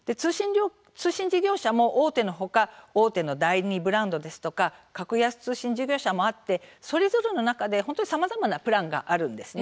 通信事業者も大手の他大手の第２ブランド格安通信事業者もあってそれぞれの中で本当にさまざまなプランがあるんです。